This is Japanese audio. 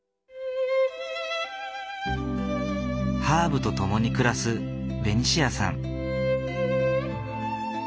ハーブと共に暮らすベニシアさん。